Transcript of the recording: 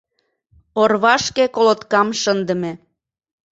Орвашке колоткам шындыме.